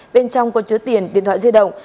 bên trong có chứa tiền điện thoại di động